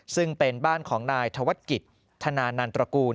ซึ่งเป็นบ้านของนายธวัฒนกิจธนานันตระกูล